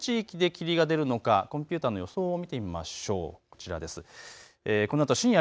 どの地域で霧が出るのかコンピューターの予想を見てみましょう。